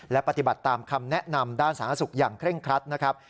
และปฏิบัติตามคำแนะนำด้านสาธารณสุขอย่างเคร่งครัดนะครับ